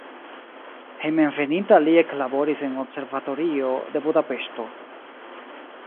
Hejmenveninta li eklaboris en observatorio de Budapeŝto.